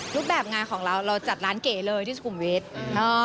รูปแบบงานของเราเราจัดร้านเก๋เลยที่สุขุมวิทย์